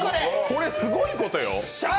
これ、すごいことよ。